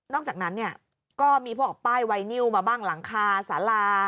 นอกจากนั้นก็มีพวกเอาป้ายไวนิวมาบ้างหลังคาสาระ